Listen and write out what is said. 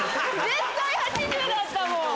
絶対「８０」だったもん！